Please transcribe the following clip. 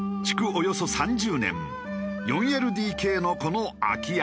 およそ３０年４ＬＤＫのこの空き家。